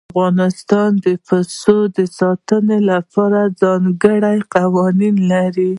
افغانستان د پسونو د ساتنې لپاره ځانګړي قوانين لري.